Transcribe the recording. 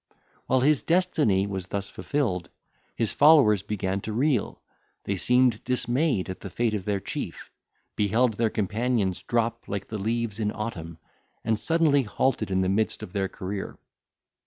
While his destiny was thus fulfilled, his followers began to reel; they seemed dismayed at the fate of their chief, beheld their companions drop like the leaves in autumn, and suddenly halted in the midst of their career.